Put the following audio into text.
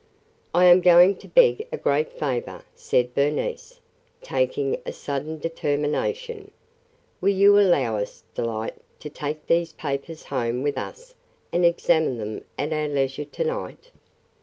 "I am going to beg a great favor," said Bernice, taking a sudden determination. "Will you allow us, Delight, to take these papers home with us and examine them at our leisure to night?